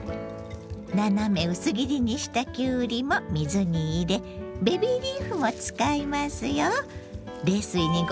斜め薄切りにしたきゅうりも水に入れベビーリーフも使いますよ。